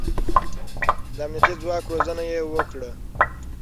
د امنيتي ځواک روزنه يې وکړه.